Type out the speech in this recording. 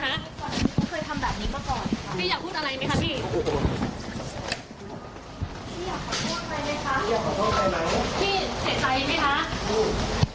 พี่อยากขอโทษใครไหมคะพี่อยากขอโทษใครมั้งพี่เสียใจไหมคะอืม